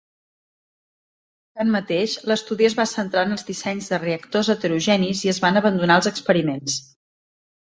Tanmateix, l'estudi es va centrar en els dissenys de reactors heterogenis i es van abandonar els experiments.